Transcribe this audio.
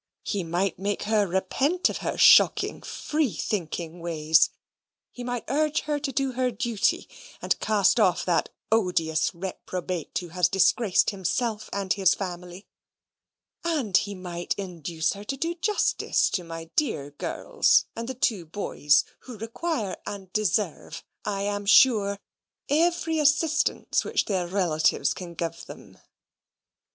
He might make her repent of her shocking free thinking ways; he might urge her to do her duty, and cast off that odious reprobate who has disgraced himself and his family; and he might induce her to do justice to my dear girls and the two boys, who require and deserve, I am sure, every assistance which their relatives can give them."